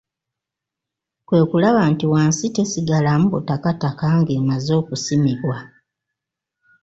Kwe kulaba nti wansi tesigalamu butakataka ng'emaze okusimibwa.